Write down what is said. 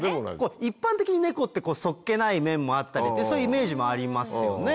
一般的にネコって素っ気ない面もあったりってそういうイメージもありますよね。